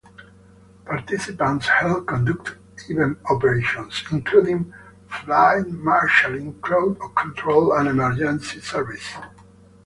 Participants help conduct event operations, including flight marshaling, crowd control, and emergency services.